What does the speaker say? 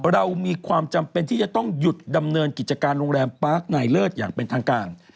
เรามีความจำเป็นที่จะต้องหยุดดำเนินกิจการโรงแรมปาร์คนายเลิศอย่างเป็นทางการ